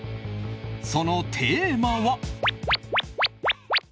そのテーマは。